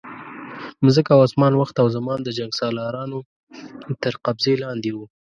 مځکه او اسمان، وخت او زمان د جنګسالارانو تر قبضې لاندې وو.